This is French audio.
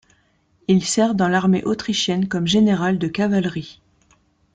Il sert dans l'armée autrichienne comme général de cavalerie.